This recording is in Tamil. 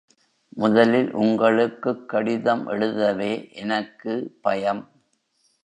முதலில் உங்களுக்குக் கடிதம் எழுதவே எனக்கு பயம்.